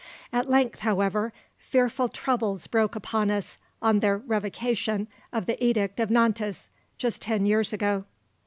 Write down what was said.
At length, however, fearful troubles broke upon us on the revocation of the Edict of Nantes, just ten years ago.